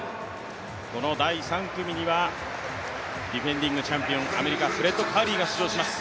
この第３組にはディフェンディングチャンピオンアメリカ、フレッド・カーリーが出場します。